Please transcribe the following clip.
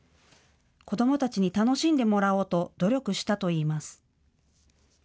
子どもたちに楽しんでもらおうと努力したといいます。